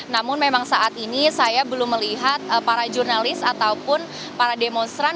namun memang saat ini saya belum melihat para jurnalis ataupun para demonstran